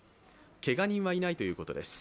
けが人はいないということです。